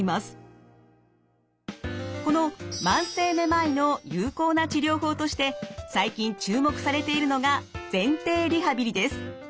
この慢性めまいの有効な治療法として最近注目されているのが前庭リハビリです。